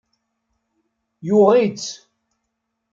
Yuɣ-itt.